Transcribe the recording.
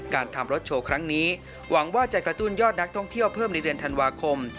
การทำรถโชว์ครั้งนี้หวังว่าจะกระตุ้นยอดนักท่องเที่ยวเพิ่มในเดือนธันวาคม